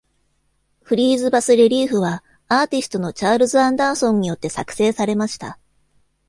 フリーズバスレリーフは、アーティストのチャールズアンダーソンによって作成されました。